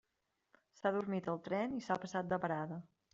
S'ha adormit al tren i s'ha passat de parada.